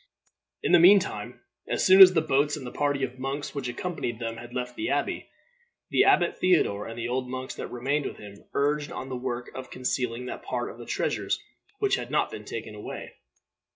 In the mean time, as soon as the boats and the party of monks which accompanied them had left the abbey, the Abbot Theodore and the old monks that remained with him urged on the work of concealing that part of the treasures which had not been taken away.